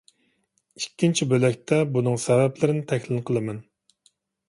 ئىككىنچى بۆلەكتە بۇنىڭ سەۋەبلىرىنى تەھلىل قىلىمەن.